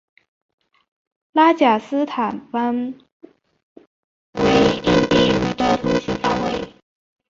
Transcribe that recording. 拉贾斯坦邦为印地语的通行范围。